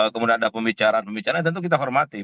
kemudian ada pembicaraan pembicaraan tentu kita hormati